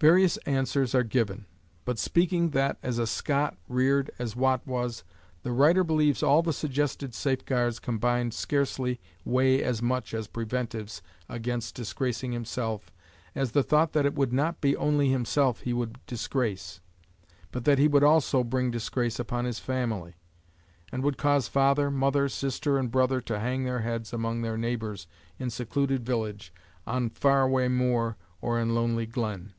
Various answers are given, but, speaking that as a Scot, reared as Watt was, the writer believes all the suggested safeguards combined scarcely weigh as much as preventives against disgracing himself as the thought that it would not be only himself he would disgrace, but that he would also bring disgrace upon his family, and would cause father, mother, sister and brother to hang their heads among their neighbors in secluded village, on far away moor or in lonely glen.